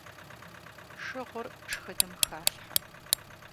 Шыгъур шхыным халъхьэ.